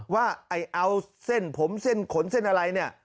ว่าไอ้เอาเส้นผมเส้นขนเส้นอะไรเนี่ย